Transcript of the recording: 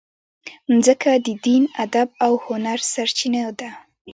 مځکه د دین، ادب او هنر سرچینه ده.